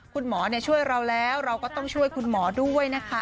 คุณหมอช่วยเราแล้วเราก็ต้องช่วยคุณหมอด้วยนะคะ